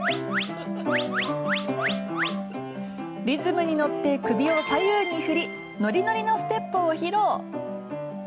リズムに乗って首を左右に振りノリノリのステップを披露。